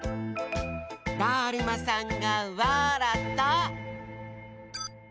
だるまさんがわらった！